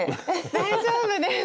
大丈夫です。